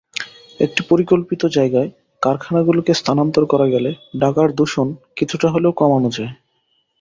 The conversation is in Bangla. একটি পরিকল্পিত জায়গায় কারখানাগুলোকে স্থানান্তর করা গেলে ঢাকার দূষণ কিছুটা হলেও কমানো যায়।